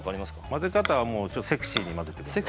混ぜ方はもうセクシーに混ぜてください。